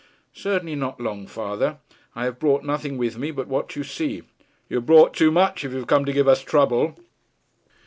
'Certainly not long, father. I have brought nothing with me but what you see.' 'You have brought too much, if you have come to give us trouble.'